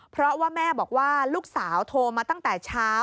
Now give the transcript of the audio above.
เพราะว่าแม่บอกว่าลูกสาวโทรมาตั้งแต่เช้า